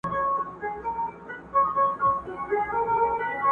ته پاچا هغه فقیر دی بې نښانه.!